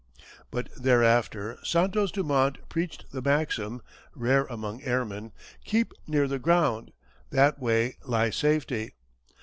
But thereafter Santos Dumont preached the maxim rare among airmen "Keep near the ground. That way lies safety!"